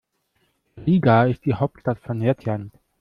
Riga ist die Hauptstadt von Lettland.